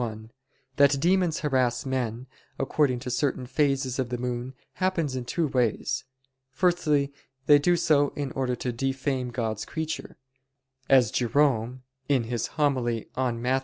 1: That demons harass men, according to certain phases of the moon, happens in two ways. Firstly, they do so in order to "defame God's creature," namely, the moon; as Jerome (In Matt.